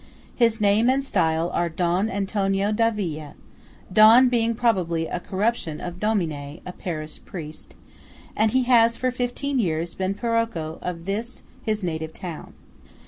His name and style are Don Antonio Da Via (Don being probably a corruption of Domine, a parish priest); and he has for fifteen years been paroco of this his native town.